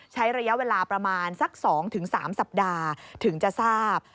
ใช้ระยะเวลาประมาณสัก๒๓สัปดาห์ถึงจะทราบ